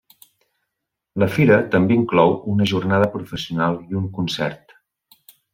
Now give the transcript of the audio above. La fira també inclou una jornada professional i un concert.